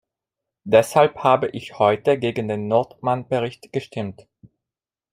Deshalb habe ich heute gegen den Nordmann-Bericht gestimmt.